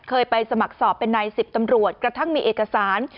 เคยไปสมัครสอบเป็นนายสิบตำรวจกระทั่งมีเอกสาร